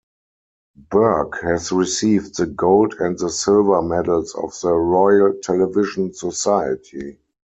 Burke has received the gold and the silver medals of the Royal Television Society.